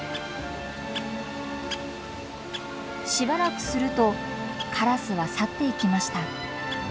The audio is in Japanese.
しばらくするとカラスは去っていきました。